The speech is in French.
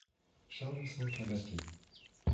Charles cinq la bâtit.